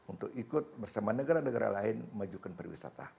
untuk ikut bersama negara negara lain memajukan pariwisata